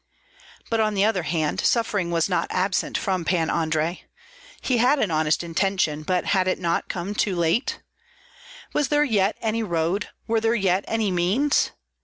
But, on the other hand, suffering was not absent from Pan Andrei. He had an honest intention, but had it not come too late? Was there yet any road, were there yet any means?